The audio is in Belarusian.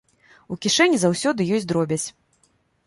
У кішэні заўсёды ёсць дробязь.